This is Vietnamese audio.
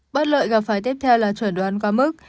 bất lợi gặp phải tiếp theo là chuẩn đoán quá mức